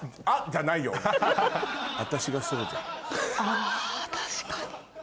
あ確かに。